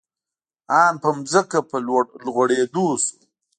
آن په ځمکه په لوغړېدو شو.